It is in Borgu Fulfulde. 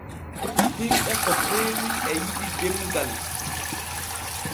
Hinɓe ko heewi e yiɗi demgal.